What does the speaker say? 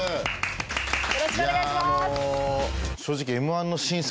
よろしくお願いしますいやあの。